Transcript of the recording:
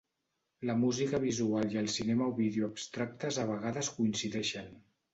La música visual i el cinema o vídeo abstractes a vegades coincideixen.